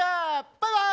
バイバーイ！